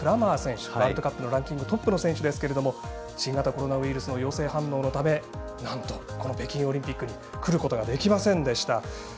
ワールドカップのランキングトップの選手ですが新型コロナウイルスの陽性反応のため、なんと北京オリンピックに来ることができませんでした。